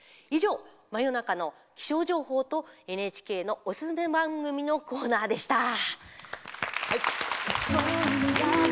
以上、「真夜中の気象情報」とＮＨＫのおすすめ番組のコーナーでした。